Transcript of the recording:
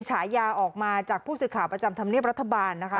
ฉายาออกมาจากผู้สื่อข่าวประจำธรรมเนียบรัฐบาลนะคะ